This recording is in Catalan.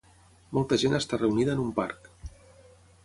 Molta gent està reunida en un parc.